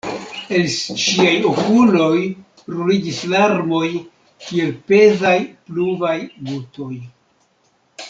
El ŝiaj okuloj ruliĝis larmoj kiel pezaj pluvaj gutoj.